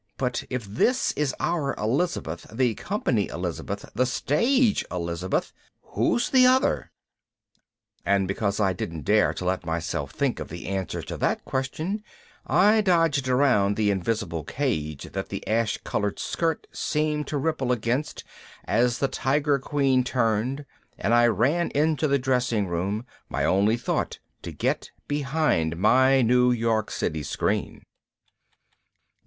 But if this is our Elizabeth, the company Elizabeth, the stage Elizabeth ... who's the other?_ And because I didn't dare to let myself think of the answer to that question, I dodged around the invisible cage that the ash colored skirt seemed to ripple against as the Tiger Queen turned and I ran into the dressing room, my only thought to get behind my New York City Screen.